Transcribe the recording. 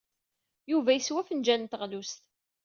Yuba yeswa afenjal n teɣlust.